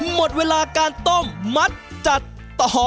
หมดเวลาการต้มมัดจัดต่อ